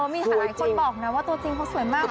มีหลายคนบอกนะว่าตัวจริงเขาสวยมาก